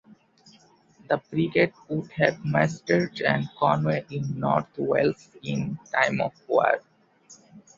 The brigade would have mustered at Conway in North Wales in time of war.